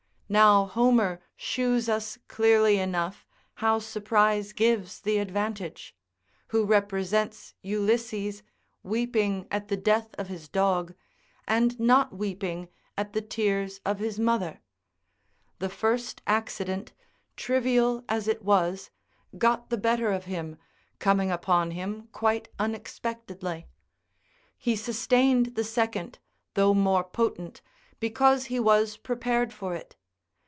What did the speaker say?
[Now Homer shews us clearly enough how surprise gives the advantage; who represents Ulysses weeping at the death of his dog; and not weeping at the tears of his mother; the first accident, trivial as it was, got the better of him, coming upon him quite unexpectedly; he sustained the second, though more potent, because he was prepared for it.